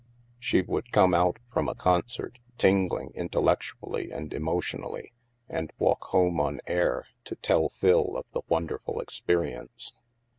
She would come out from a concert, tingling intellectually and emo tionally, and walk home on air to tell Phil of the wonderful experience.